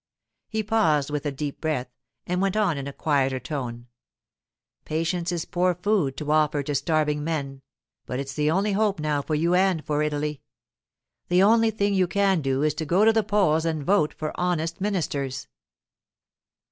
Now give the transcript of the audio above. He paused with a deep breath, and went on in a quieter tone. 'Patience is poor food to offer to starving men, but it's the one hope now for you and for Italy. The only thing you can do is to go to the polls and vote for honest ministers.